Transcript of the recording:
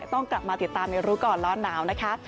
ต้องกลับมาติดตามในรู้ก่อนร้อนหนาวนะคะ